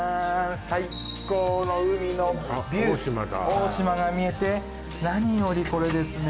最高の海のビュー大島が見えて何よりこれですね